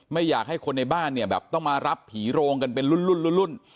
ไม่อยากให้คนในบ้านเนี่ยแบบต้องมารับผีโรงกันเป็นรุ่นรุ่น